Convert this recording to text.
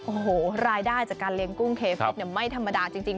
โอ้โหรายได้จากการเลี้ยงกุ้งเคฟิศไม่ธรรมดาจริง